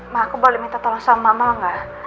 ma aku boleh minta tolong sama mama gak